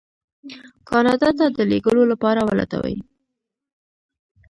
کاناډا ته د لېږلو لپاره ولټوي.